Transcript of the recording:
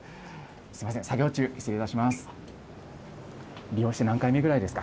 すみません、作業中、失礼いたします。